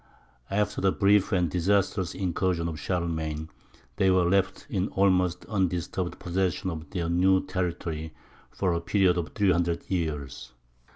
After the brief and disastrous incursion of Charlemagne, they were left in almost undisturbed possession of their new territory for a period of three hundred years.